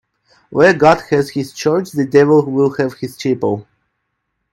Where God has his church, the devil will have his chapel.